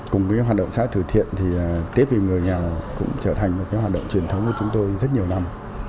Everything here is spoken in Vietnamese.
cùng với hoạt động xã hội từ thiện tết vì người nghèo cũng trở thành hoạt động truyền thống của chúng tôi rất nhiều năm